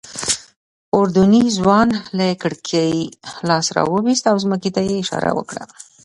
اردني ځوان له کړکۍ لاس راوویست او ځمکې ته یې اشاره وکړه.